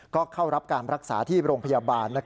ก็เข้ารับการรักษาที่โรงพยาบาล